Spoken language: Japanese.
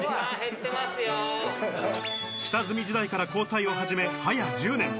下積み時代から交際を始め早１０年。